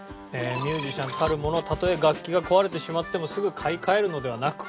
ミュージシャンたるものたとえ楽器が壊れてしまってもすぐ買い替えるのではなく。